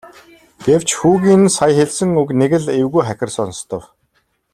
Гэвч хүүгийн нь сая хэлсэн үг нэг л эвгүй хахир сонстов.